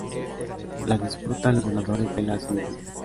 La disputan los ganadores de la semifinal.